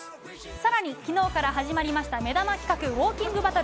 さらに、きのうから始まりました目玉企画、ウオーキングバトル。